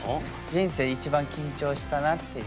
人生一番緊張したなっていう。